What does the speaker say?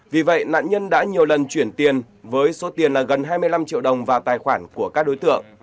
vì vậy nạn nhân đã nhiều lần chuyển tiền với số tiền là gần hai mươi năm triệu đồng vào tài khoản của các đối tượng